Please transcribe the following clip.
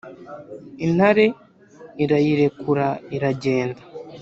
intare irayirekura iragenda